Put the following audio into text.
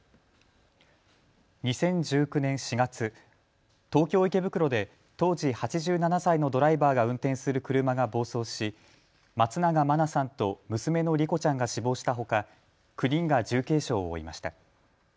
２０１９年４月、東京池袋で当時、８７歳のドライバーが運転する車が暴走し松永真菜さんと娘の莉子ちゃんが死亡したほか９人が重軽傷を負いました。